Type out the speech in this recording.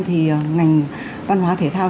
thì ngành văn hóa thể thao